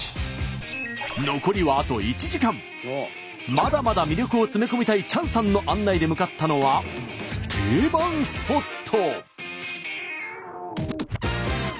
まだまだ魅力を詰め込みたいチャンさんの案内で向かったのは定番スポット。